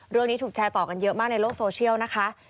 เรื่องนี้ถูกแชร์ต่อกันเยอะมากในโลกโซเชียลนะคะ